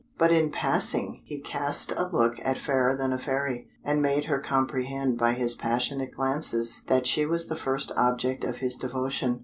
But in passing, he cast a look at Fairer than a Fairy, and made her comprehend by his passionate glances that she was the first object of his devotion.